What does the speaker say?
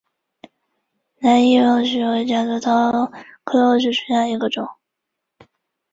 兰屿络石为夹竹桃科络石属下的一个种。